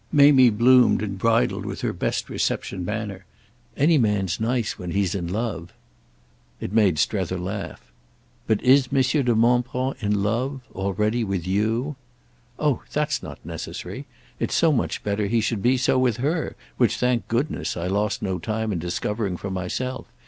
Mamie bloomed and bridled with her best reception manner. "Any man's nice when he's in love." It made Strether laugh. "But is Monsieur de Montbron in love—already—with you?" "Oh that's not necessary—it's so much better he should be so with her: which, thank goodness, I lost no time in discovering for myself.